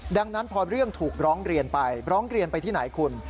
ดังนั้นพอเรื่องถูกร้องเรียนไปร้องเรียนไปที่ไหนคุณ